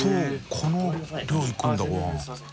この量いくんだごはん。